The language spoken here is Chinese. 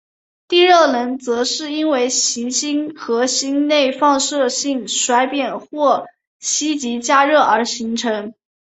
地热能则是因为行星核心内放射性衰变或吸积加热而形成。